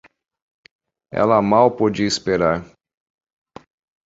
Ela mal podia esperar